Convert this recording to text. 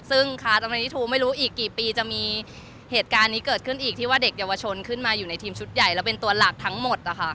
ซึ่งคาจำนวนนี้ทูไม่รู้อีกกี่ปีจะมีเหตุการณ์นี้เกิดขึ้นอีกที่ว่าเด็กเยาวชนขึ้นมาอยู่ในทีมชุดใหญ่แล้วเป็นตัวหลักทั้งหมดนะคะ